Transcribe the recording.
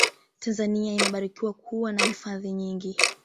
tanzania imebarikiwa kuwa na hifadhi nyingi